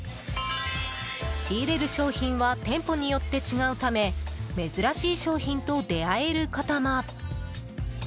仕入れる商品は店舗によって違うため珍しい商品と出会えることも。